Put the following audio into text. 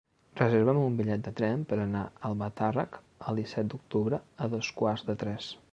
Reserva'm un bitllet de tren per anar a Albatàrrec el disset d'octubre a dos quarts de tres.